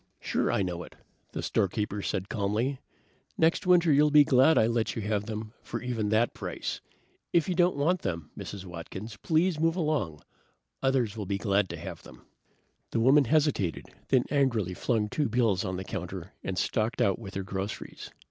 "Sure I know it," the storekeeper said calmly. "Next winter you'll be glad I let you have them for even that price. If you don't want them, Mrs. Watkins, please move along. Others will be glad to have them." The woman hesitated, then angrily flung two bills on the counter and stalked out with her groceries.